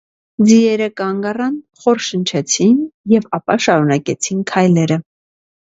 Ձիերը կանգ առան, խոր շնչեցին և ապա շարունակեցին քայլերը: